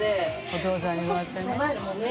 お父さんにそうやってね。